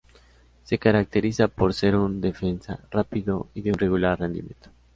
Se caracteriza por ser un defensa rápido y de un regular rendimiento.